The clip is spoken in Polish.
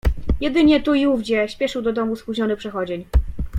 "Jedynie tu i ówdzie śpieszył do domu spóźniony przechodzień."